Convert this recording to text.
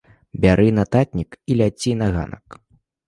Бяры нататнік і ляці на ганак!